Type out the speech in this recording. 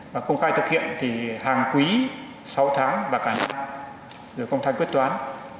và công khai thực hiện thì hàng quý sáu tháng và cả năm rồi công thái quyết toán